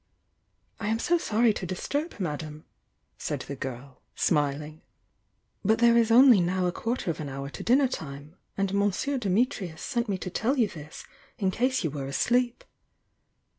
"I am so sorry to disturb Madame," said the girl, smiling. "But there is only now a quarter of an hour to dinnertime, and Monsieur Dimitrius sent me to tell you this, in case you were asleep."